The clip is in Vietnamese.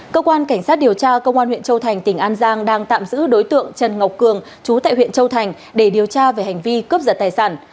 cơ quan cảnh sát điều tra công an huyện châu thành tỉnh an giang đang tạm giữ đối tượng trần ngọc cường chú tại huyện châu thành để điều tra về hành vi cướp giật tài sản